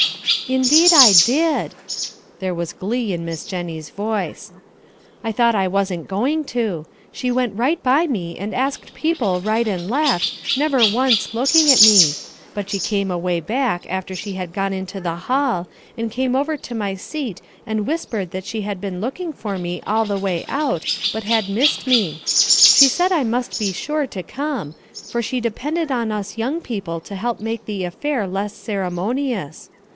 "Indeed I did." There was glee in Miss Jennie's voice. "I thought I wasn't going to. She went right by me and asked people right and left, never once looking at me. But she came away back after she had gone into the hall, and came over to my seat and whispered that she had been looking for me all the way out, but had missed me. She said I must be sure to come, for she depended on us young people to help make the affair less ceremonious.